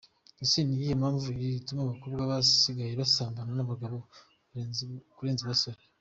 Ese ni iyihe mpamvu iri gutuma abakobwa basigaye basambana n’abagabo kurenza abasore?.